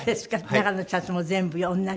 中のシャツも全部同じ。